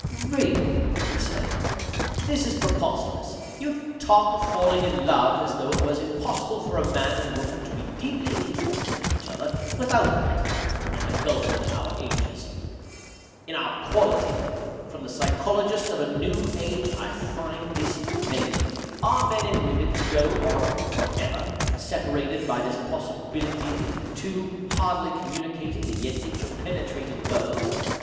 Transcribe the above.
"Really!" he said, "this is preposterous. You talk of falling in love as though it was impossible for a man and woman to be deeply interested in each other without that. And the gulf in our ages in our quality! From the Psychologist of a New Age I find this amazing. Are men and women to go on for ever separated by this possibility into two hardly communicating and yet interpenetrating worlds?